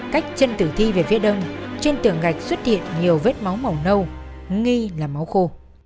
cách chân tử thi về phía đông trên tường gạch xuất hiện nhiều vết máu màu nâu nghi là máu khô